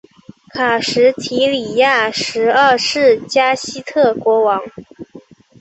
卡什提里亚什二世加喜特国王。